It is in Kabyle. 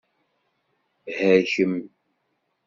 Hergem!